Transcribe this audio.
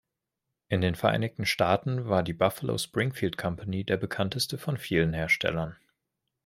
In den Vereinigten Staaten war die "Buffalo-Springfield Company" der bekannteste von vielen Herstellern.